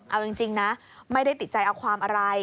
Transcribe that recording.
เอาจริงนะไม่ได้ติดใจเอาความอะไร